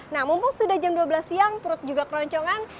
nah mumpung sudah jam dua belas siang perut juga keroncongan